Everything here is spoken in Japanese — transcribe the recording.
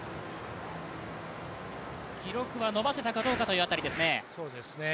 記録は伸ばせたかどうかという辺りですね。